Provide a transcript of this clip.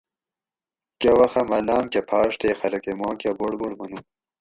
کہ وخہ مہ لام کہۤ پھاۤڛ تے خلکہ ماکہ بڑ بڑ منُو